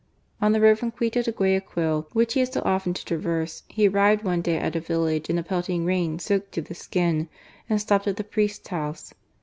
On the road from Quito to Guayaquil, which he had so often to traverse, he arrived one day at a village in a pelting rain soaked to the skin, and stopped at the priest's house.